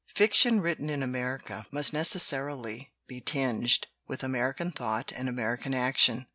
"Fiction written in America must necessarily be tinged with American thought and American action.